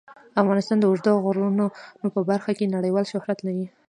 افغانستان د اوږده غرونه په برخه کې نړیوال شهرت لري.